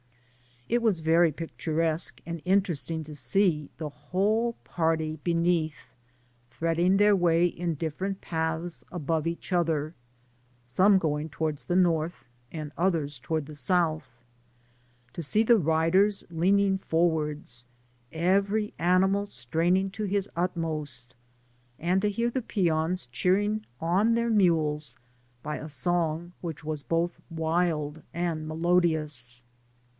It was very picturesque and interesting to see the whole party beneath, threading their way in dif« ferent paths above each other ; £ome going tpwards the north, and others towards the south — ^to see the riders leaning forwards, every animal straining to his utmost, and to hear the peons cheering on thdr mules by a song which was both wild and me lodious.